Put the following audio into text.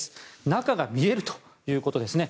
中が見えるということですね。